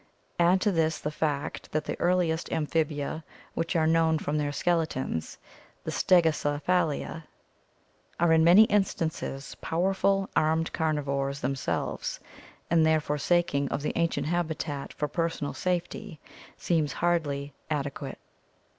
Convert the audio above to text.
Add to this the fact that the earliest amphibia which are known from their skeletons, the Stegocephalia, are in many instances powerful armed carnivores themselves, and their forsak ing of the ancient habitat for personal safety seems hardly ade quate.